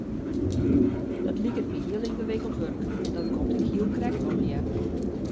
Dat liket my heel yngewikkeld wurk en dat komt ek hiel krekt allegear.